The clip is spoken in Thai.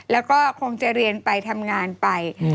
แล้วก็คงจะเรียนไปทำงานไป